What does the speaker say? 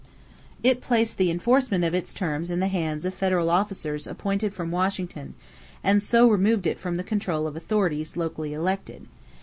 It placed the enforcement of its terms in the hands of federal officers appointed from Washington and so removed it from the control of authorities locally elected.